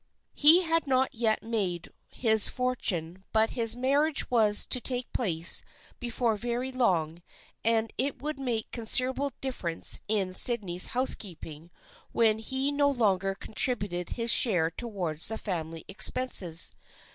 He had not yet made his for tune but his marriage was to take place before very long and it would make considerable difference in Sydney's housekeeping when he no longer con tributed his share towards the family expenses.